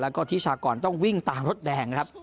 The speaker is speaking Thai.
แล้วก็ทิชากรต้องวิ่งตามรถแดงนะครับ